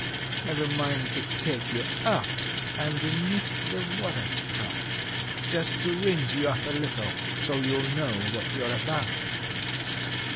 I've a mind to take you out Underneath the water spout, Just to rinse you up a little, so you'll know what you're about!